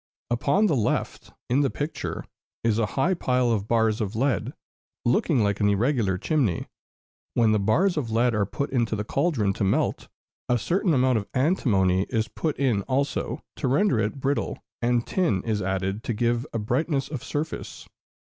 Upon the left, in the picture, is a high pile of bars of lead, looking like an irregular chimney. When the bars of lead are put into the cauldron to melt, a certain amount of antimony is put in also, to render it brittle, and tin is added to give a brightness of surface.